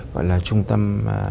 gọi là trung tâm